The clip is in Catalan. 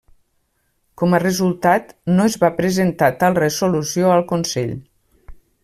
Com a resultat, no es va presentar tal resolució al Consell.